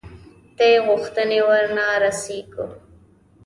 دې غوښتنې ورنه رسېږو.